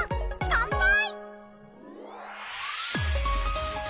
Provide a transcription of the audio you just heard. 乾杯！